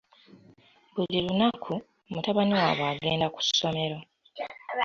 Buli lunaku, mutabani waabwe agenda ku ssomero.